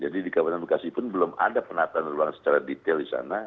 jadi di kabupaten bekasi pun belum ada penataan ruang secara detail di sana